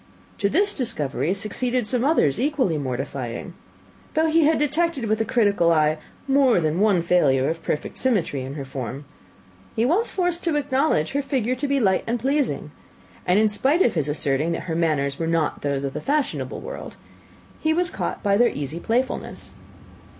To this discovery succeeded some others equally mortifying. Though he had detected with a critical eye more than one failure of perfect symmetry in her form, he was forced to acknowledge her figure to be light and pleasing; and in spite of his asserting that her manners were not those of the fashionable world, he was caught by their easy playfulness.